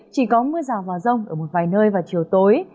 chỉ có mưa rào vào rông ở một vài nơi vào chiều tối